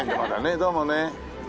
どうもね。